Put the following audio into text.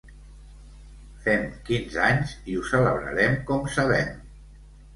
Fem quinze anys i ho celebrarem com sabem.